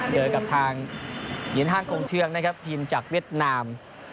เจอกับทางหญิงห้างคงเทืองนะครับทีมจากเวียดนาม